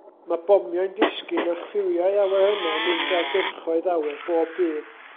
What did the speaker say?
Mae bomiau'n disgyn a chriwiau awyrennau'n mynd ar gyrchoedd awyr bob dydd.